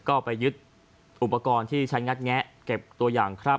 ก็ไปยึดอุปกรณ์ที่ใช้งัดแงะเก็บตัวอย่างคราบ